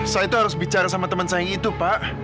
saya itu harus bicara sama teman saya yang itu pak